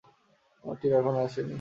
তোমার টিম এখনও আসেনি?